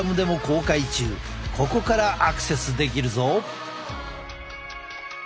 ここからアクセスできるぞ！